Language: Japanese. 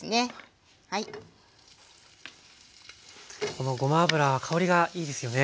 このごま油香りがいいですよね。